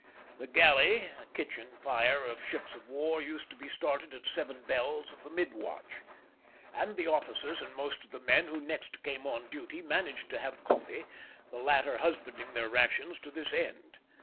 The galley (kitchen) fire of ships of war used to be started at seven bells of the mid watch (3.30 A.M.); and the officers, and most of the men, who next came on duty, managed to have coffee, the latter husbanding their rations to this end.